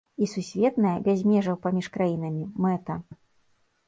І сусветная, без межаў паміж краінамі, мэта.